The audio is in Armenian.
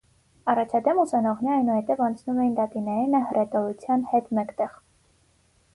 Առաջադեմ ուսանողները այնուհետև անցնում էին լատիներենը հռետորության հետ մեկտեղ։